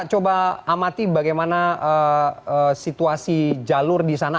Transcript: coba amati bagaimana situasi jalur di sana